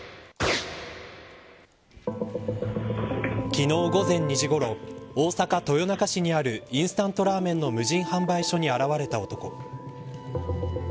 昨日、午前２時ごろ大阪、豊中市にあるインスタントラーメンの無人販売所に現れた男。